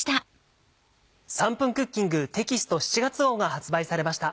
『３分クッキング』テキスト７月号が発売されました。